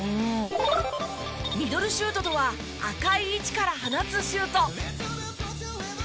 ミドルシュートとは赤い位置から放つシュート。